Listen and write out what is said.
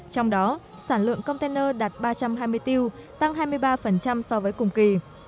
trong đó sản lượng container đạt ba trăm hai mươi tiêu tăng hai mươi ba so với cùng kỳ